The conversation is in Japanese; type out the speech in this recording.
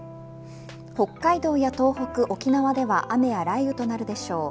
北海道や東北、沖縄では雨や雷雨となるでしょう。